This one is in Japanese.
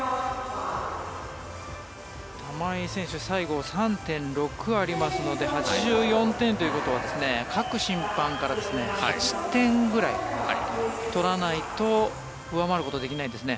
玉井選手は最後、３．６ありますので８４点ということは各審判から８点ぐらい取らないと上回ることができないんですね。